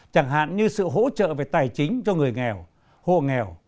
chẳng hạn như sự hỗ trợ về tài chính cho người nghèo hộ nghèo